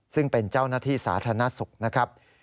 ซึ่งเป็นเจ้าหน้าที่สาธารณสุขนะครับ